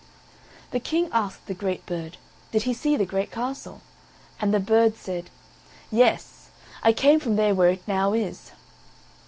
The King asked the great bird, Did he see the great castle? and the bird said: "Yes, I came from there where it now is."